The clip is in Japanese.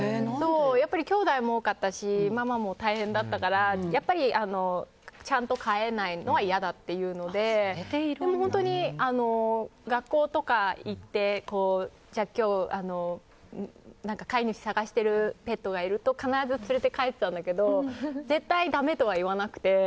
きょうだいも多かったしママも大変だったからちゃんと飼えないのは嫌だということででも本当に、学校とか行って飼い主探してるペットがいると必ず連れて帰ったんだけど絶対だめとは言わなくて。